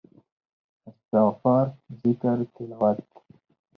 استغفار ذکر تلاوت